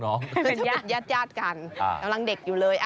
น่าจะเป็นญาติญาติกันกำลังเด็กอยู่เลย